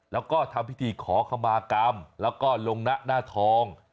แล้วก็ทำพิธีขอขมากรรมแล้วก็ลงนะหน้าทอง